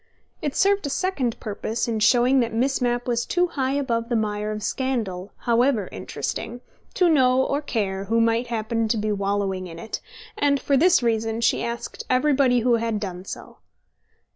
It served a second purpose in showing that Miss Mapp was too high above the mire of scandal, however interesting, to know or care who might happen to be wallowing in it, and for this reason she asked everybody who had done so.